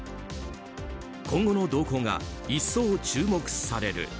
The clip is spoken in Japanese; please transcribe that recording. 今後の動向が一層注目される。